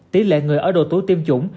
tỷ lệ người ở đồ túi tiêm chủng